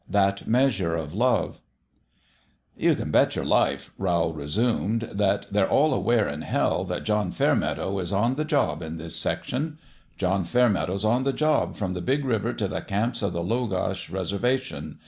XXI THAT MEASURE OF LOYE "^W TOU can bet your life," Rowl resumed, J " tnat they're all aware in hell that John * Fairmeadow is on the job in this sec tion. John Fairmeadow's on the job from the Big River to the camps o' the Logosh Reserva tion.